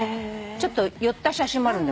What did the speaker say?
ちょっと寄った写真もあるんで。